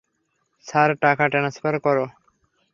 Sir, টাকা transfer?